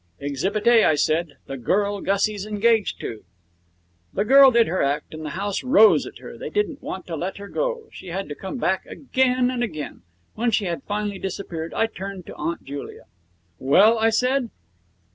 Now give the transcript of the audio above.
'Exhibit A,' I said. 'The girl Gussie's engaged to.' The girl did her act, and the house rose at her. They didn't want to let her go. She had to come back again and again. When she had finally disappeared I turned to Aunt Julia. 'Well?' I said.